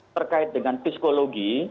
terkait dengan psikologi